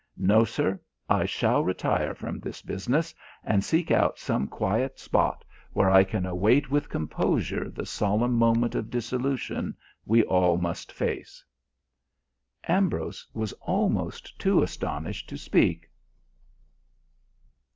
No, sir, I shall retire from this business and seek out some quiet spot where I can await with composure the solemn moment of dissolution we all must face." Ambrose was almost too astonished to speak.